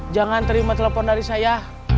jangan terima telepon dari saya